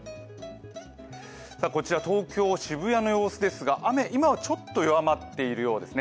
こちら東京・渋谷の様子ですが雨、今はちょっと弱まっているようです。